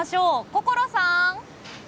心さん。